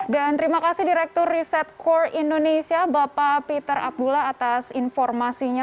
dan terima kasih direktur riset core indonesia bapak peter abdullah atas informasinya